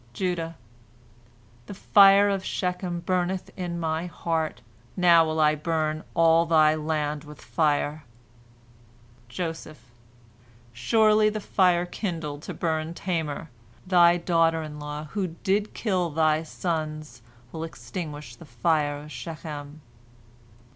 Judah: "The fire of Shechem burneth in my heart, now will I burn all thy land with fire." Joseph: "Surely, the fire kindled to burn Tamar, thy daughter in law, who did kill thy sons, will extinguish the fire of Shechem."